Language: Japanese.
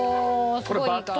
すごいいい香り。